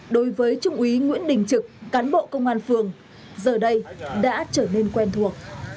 đối với trung úy nguyễn đình trực cán bộ công an phường giờ đây đã trở nên quen thuộc